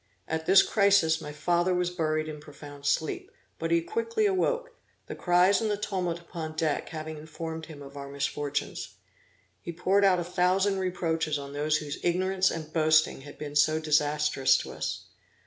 At this crisis my father was buried in profound sleep, but he quickly awoke, the cries and the tumult upon deck having informed him of our misfortunes. He poured out a thousand reproaches on those whose ignorance and boasting had been so disastrous to us.